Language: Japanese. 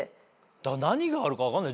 何があるか分かんない。